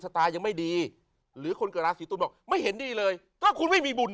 ตายังไม่ดีหรือคนเกิดราศีตุลบอกไม่เห็นดีเลยถ้าคุณไม่มีบุญ